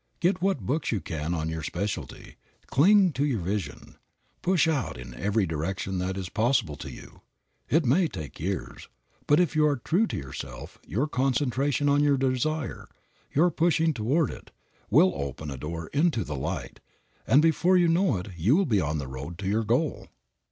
Get what books you can on your specialty. Cling to your vision. Push out in every direction that is possible to you. It may take years, but if you are true to yourself your concentration on your desire, your pushing toward it, will open a door into the light, and before you know it you will be on the road to your goal.